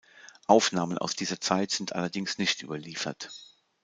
Aufnahmen aus dieser Zeit sind allerdings nicht überliefert.